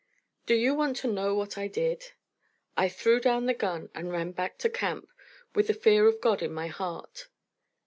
Do you want to know what I did? I threw down the gun and ran back to camp with the fear of God in my heart.